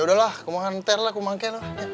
udah lah kumohon ntar lah kumohon kek loh